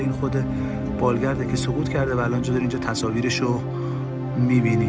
ini adalah balgard yang terjatuh di sini